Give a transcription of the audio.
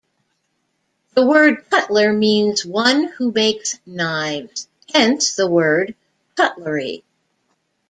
The word cutler means "one who makes knives", hence the word "cutlery".